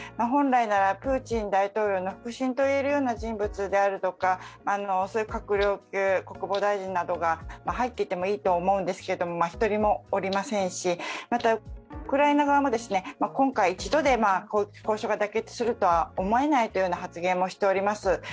本来なら、プーチン大統領の腹心といえるような人物であるとか、閣僚級国防大臣などが入っていてもいいと思うんですけれども、一人もおりませんし、ウクライナ側も今回一度で交渉が妥結するとは思えないというような発言もしております。